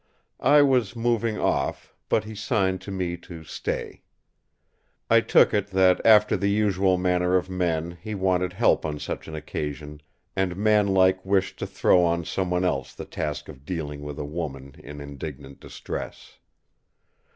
I was moving off; but he signed to me to stay. I took it that after the usual manner of men he wanted help on such an occasion, and man like wished to throw on someone else the task of dealing with a woman in indignant distress.